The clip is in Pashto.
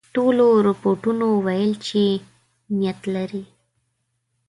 ټولو رپوټونو ویل چې نیت لري.